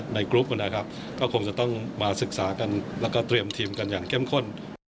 กรุ๊ปนะครับก็คงจะต้องมาศึกษากันแล้วก็เตรียมทีมกันอย่างเข้มข้น